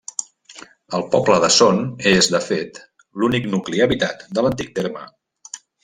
El poble de Son és, de fet, l'únic nucli habitat de l'antic terme.